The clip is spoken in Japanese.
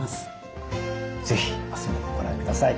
是非明日もご覧ください。